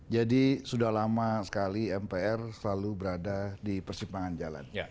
jadi sudah lama sekali mpr selalu berada di persimpangan jalan